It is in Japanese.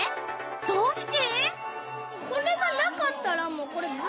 どうして？